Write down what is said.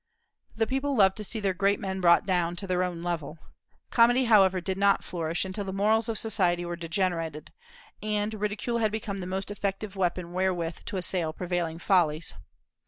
The people loved to see their great men brought down to their own level. Comedy, however, did not flourish until the morals of society were degenerated, and ridicule had become the most effective weapon wherewith to assail prevailing follies.